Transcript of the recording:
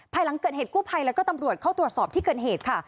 หลังเกิดเหตุกู้ภัยแล้วก็ตำรวจเข้าตรวจสอบที่เกิดเหตุค่ะ